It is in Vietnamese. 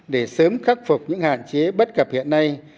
để sớm khắc phục những hạn chế bất cập hiện nay